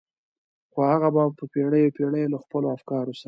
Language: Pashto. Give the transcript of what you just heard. خو هغه به په پېړيو پېړيو له خپلو افکارو سره.